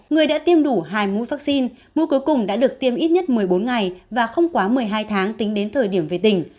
người đã tiêm đủ hai mũi vaccine mũi cuối cùng đã được tiêm ít nhất một mươi bốn ngày và không quá một mươi hai tháng tính đến thời điểm về tỉnh